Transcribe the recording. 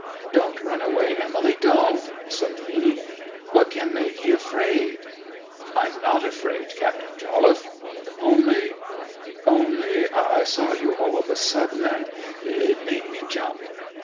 'Don't run away, Emily; don't!' said he. 'What can make ye afraid?' 'I'm not afraid, Captain Jolliffe. Only—only I saw you all of a sudden, and—it made me jump!